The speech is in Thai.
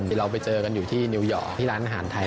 เราไปเจอกันอยู่ที่นิวยอร์กที่ร้านอาหารไทย